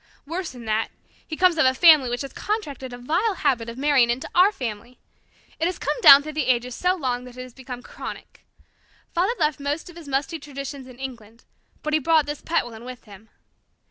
Worse than that, he comes of a family which has contracted a vile habit of marrying into our family. It has come down through the ages so long that it has become chronic. Father left most of his musty traditions in England, but he brought this pet one with him.